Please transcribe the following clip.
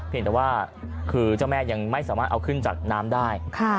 แต่ว่าคือเจ้าแม่ยังไม่สามารถเอาขึ้นจากน้ำได้